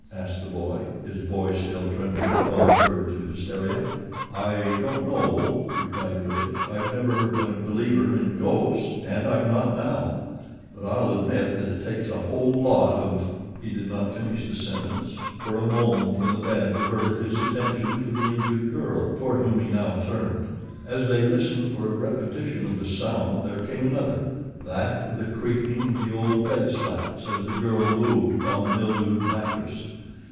asked the boy, his voice still trembling upon the verge of hysteria. "I don't know," replied Bridge. "I've never been a believer in ghosts and I'm not now; but I'll admit that it takes a whole lot of " He did not finish the sentence for a moan from the bed diverted his attention to the injured girl, toward whom he now turned. As they listened for a repetition of the sound there came another that of the creaking of the old bed slats as the girl moved upon the mildewed mattress.